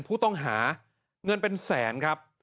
ผู้ต้องหาเงินเป็นแสนครับ